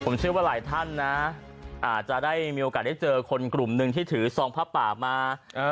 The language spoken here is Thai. ผมเชื่อว่าหลายท่านนะอาจจะได้มีโอกาสได้เจอคนกลุ่มหนึ่งที่ถือซองผ้าป่ามา